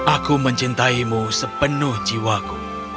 aku mencintaimu sepenuh jiwaku